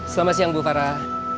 selamat siang bu farah